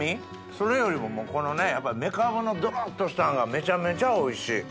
それよりもこのねメカブのドロっとしたんがめちゃめちゃおいしい！